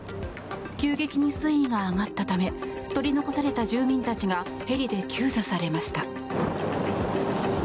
急激に水位が上がったため取り残された住民たちがヘリで救助されました。